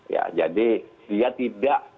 ya jadi dia tidak